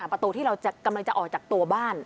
ประตูที่เรากำลังจะออกจากตัวบ้าน